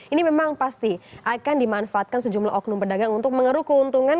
ini memang pasti akan dimanfaatkan sejumlah oknum pedagang untuk mengeruk keuntungan